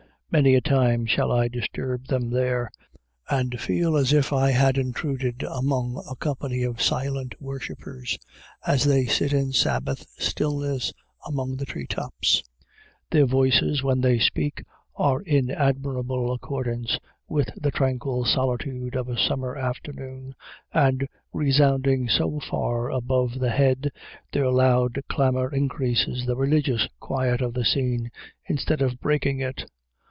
Many a time shall I disturb them there, and feel as if I had intruded among a company of silent worshipers as they sit in Sabbath stillness among the treetops. Their voices, when they speak, are in admirable accordance with the tranquil solitude of a summer afternoon, and, resounding so far above the head, their loud clamor increases the religious quiet of the scene instead of breaking it.